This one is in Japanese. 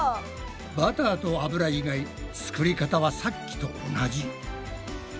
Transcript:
バターと油以外作り方はさっきと同じ。